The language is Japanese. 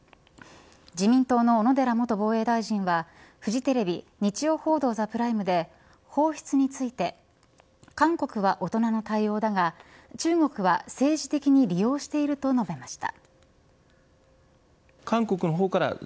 自民党の小野寺元防衛大臣はフジテレビ日曜報道ＴＨＥＰＲＩＭＥで放出について韓国は大人の対応だが中国は政治的に利用していると述べました。